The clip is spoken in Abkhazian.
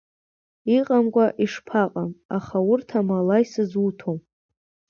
Иҟамкәа ишԥаҟам, аха урҭ амала исызуҭом.